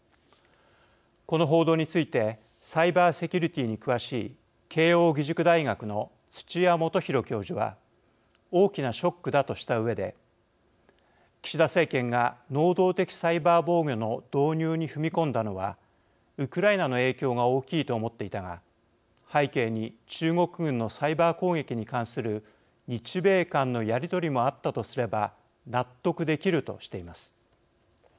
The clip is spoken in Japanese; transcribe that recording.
この報道についてサイバーセキュリティーに詳しい慶應義塾大学の土屋大洋教授は大きなショックだとしたうえで「岸田政権が能動的サイバー防御の導入に踏み込んだのはウクライナの影響が大きいと思っていたが背景に中国軍のサイバー攻撃に関する日米間のやり取りもあったとすれば納得できる」としています。